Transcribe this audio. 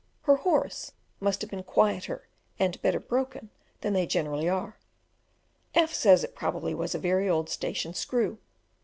Her horse must have been quieter and better broken than they generally are. F says that probably it was a very old "station screw."